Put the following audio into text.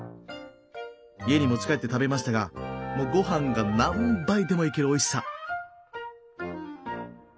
家に持ち帰って食べましたがもうご飯が何杯でもいけるおいしさ。